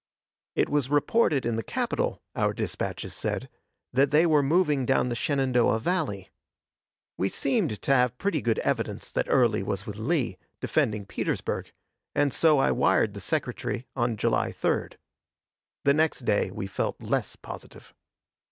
It was reported in the capital, our dispatches said, that they were moving down the Shenandoah Valley. We seemed to have pretty good evidence that Early was with Lee, defending Petersburg, and so I wired the Secretary on July 3d. The next day we felt less positive.